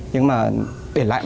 nhưng mà để lại